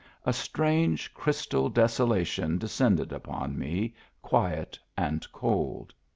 A strange crystal desolation de scended upon me, quiet and cold.